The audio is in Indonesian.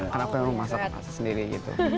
karena aku yang masak masak sendiri gitu